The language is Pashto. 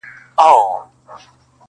غورځولو ته د پلار یې ځان تیار کړ.!